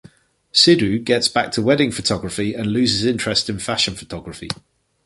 Sidhu gets back to wedding photography and loses interest in fashion photography.